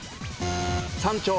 山頂。